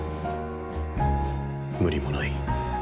無理もない